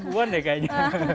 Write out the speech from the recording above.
sekarang ribuan deh kayaknya